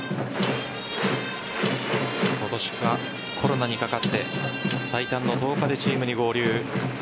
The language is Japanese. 今年はコロナにかかって最短の１０日でチームに合流。